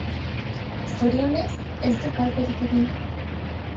Zorionez, ez du kalterik egin.